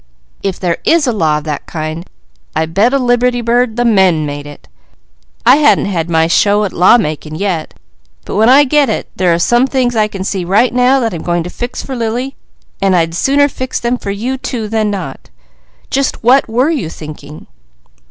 If there is a law of that kind, I bet a liberty bird the men made it. I haven't had my show at law making yet, but when I get it, there are some things I can see right now that I'm going to fix for Lily, and I'd sooner fix them for you too, than not. Just what were you thinking?"